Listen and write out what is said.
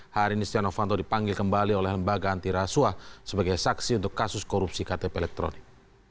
hari ini setia novanto dipanggil kembali oleh lembaga antirasuah sebagai saksi untuk kasus korupsi ktp elektronik